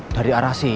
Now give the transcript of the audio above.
dari arah sini